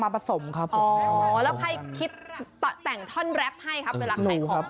มาผสมครับอ๋อแล้วใครคิดแต่งท่อนแรปให้ครับเวลาใครขอหนูครับ